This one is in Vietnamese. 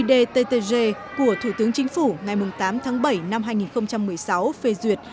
theo quyết định một nghìn ba trăm bốn mươi quy đề ttg của thủ tướng chính phủ ngày tám tháng bảy năm hai nghìn một mươi sáu phê duyệt